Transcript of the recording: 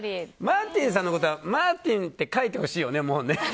マーティンさんのことはマーティンって書いてほしいよね。